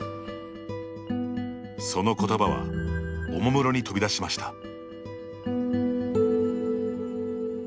そのことばはおもむろに飛び出しました。